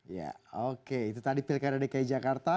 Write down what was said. ya oke itu tadi pilkada dki jakarta